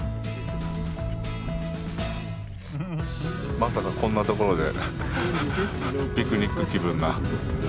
まさかこんな所でピクニック気分が。